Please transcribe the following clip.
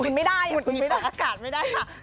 คุณไม่ได้คุณไม่ได้อากาศไม่ได้ค่ะ